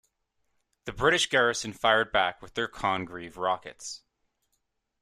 The British garrison fired back with their Congreve rockets.